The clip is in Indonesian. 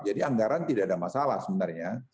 jadi anggaran tidak ada masalah sebenarnya